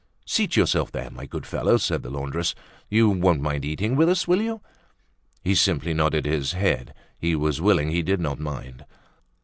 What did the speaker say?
"Seat yourself there, my good fellow," said the laundress. "You won't mind eating with us, will you?" He simply nodded his head. He was willing; he did not mind.